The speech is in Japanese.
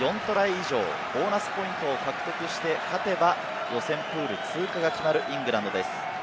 以上、ボーナスポイントを獲得して勝てば予選プール通過が決まるイングランドです。